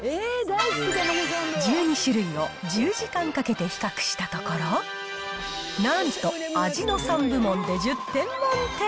１２種類を１０時間かけて比較したところ、なんと味の３部門で１０点満点。